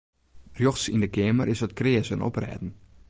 Rjochts yn de keamer is it kreas en oprêden.